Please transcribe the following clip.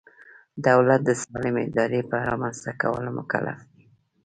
دولت د سالمې ادارې په رامنځته کولو مکلف دی.